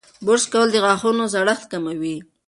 برس کول د غاښونو زړښت کموي.